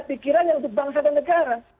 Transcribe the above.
pikirannya untuk bangsa dan negara